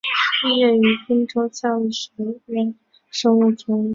毕业于滨州教育学院生物专业。